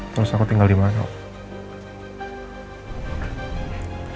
terus aku tinggal di mana